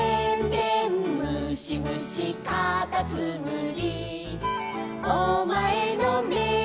「でんでんむしむしかたつむり」